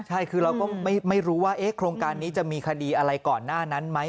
ใช่คือเราก็ไม่รู้ว่าโครงการนี้จะมีคดีอะไรก่อนหน้านั้นไหม